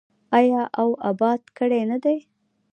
آیا او اباد کړی نه دی؟